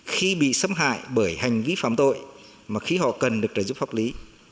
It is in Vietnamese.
khi bị xâm hại bởi hành vi phạm tội mà khi họ cần được trợ giúp pháp lý